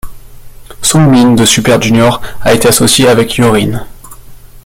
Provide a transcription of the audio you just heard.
Sungmin de Super Junior a été associé avec Hyorin.